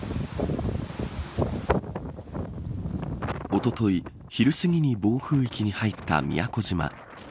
おととい、昼すぎに暴風域に入った宮古島。